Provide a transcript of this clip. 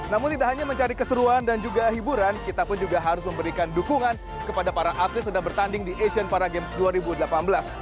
namun tidak hanya mencari keseruan dan juga hiburan kita pun juga harus memberikan dukungan kepada para atlet sedang bertanding di asian para games dua ribu delapan belas